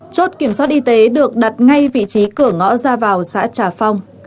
chốt kiểm soát y tế được đặt ngay vị trí cửa ngõ ra vào xã trà phong